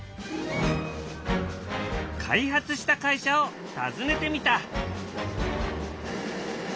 開発した会社を訪ねてみた。